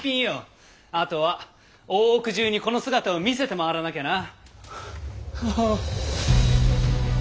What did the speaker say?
あとは大奥中にこの姿を見せて回らなきゃな！